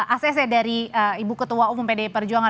asese dari ibu ketua umum bd perjuangan